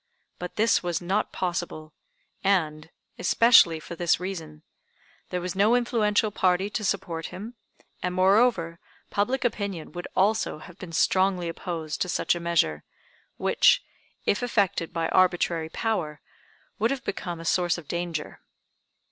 But this was not possible, and, especially for this reason: There was no influential party to support him, and, moreover, public opinion would also have been strongly opposed to such a measure, which, if effected by arbitrary power, would have become a source of danger.